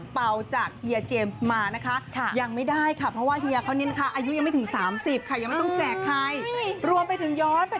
ไปเชิดมังกรโชว์อลังการงานตรุษจีน